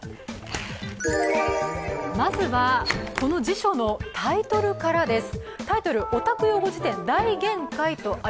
まずはこの辞書のタイトルからです。